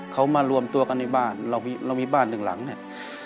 เขามารวมตัวกันในบ้านเรามีบ้านหนึ่งหลังเนี่ย